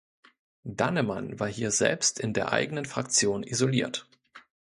Dannemann war hier selbst in der eigenen Fraktion isoliert.